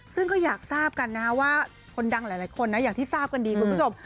ซึ่งก็อยากทราบกันนะว่าคนดังหลายคนนะอย่างที่ทราบกันดีคุณผู้ชม